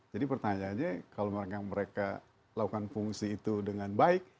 jadi pertanyaannya kalau mereka melakukan fungsi itu dengan baik